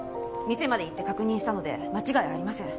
店まで行って確認したので間違いありません。